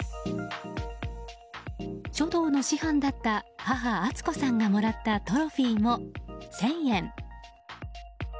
書道の師範だった母・敦子さんがもらったトロフィーも１０００円。